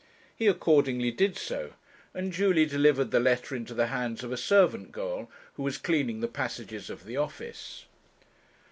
He accordingly did so, and duly delivered the letter into the hands of a servant girl, who was cleaning the passages of the office.